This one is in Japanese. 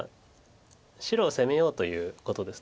白を攻めようということです。